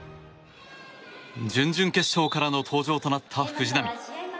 準々決勝からの登場となった藤波。